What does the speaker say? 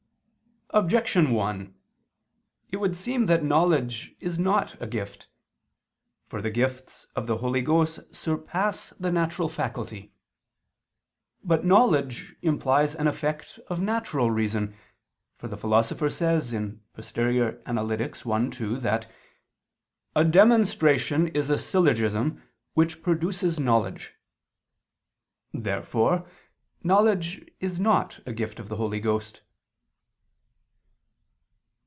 Objection 1: It would seem that knowledge is not a gift. For the gifts of the Holy Ghost surpass the natural faculty. But knowledge implies an effect of natural reason: for the Philosopher says (Poster. i, 2) that a "demonstration is a syllogism which produces knowledge." Therefore knowledge is not a gift of the Holy Ghost.